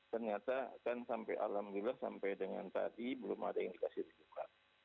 ternyata kan sampai alhamdulillah sampai dengan tadi belum ada indikasi dibuka